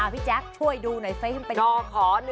พี่แจ๊กช่วยดูหน่อยฟิล์มเป็นนค๑๘๑๗คกัน